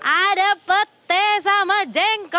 ada pete sama jengkok